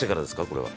これは」